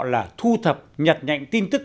là thu thập nhặt nhạnh tin tức